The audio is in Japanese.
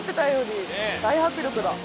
大迫力だ。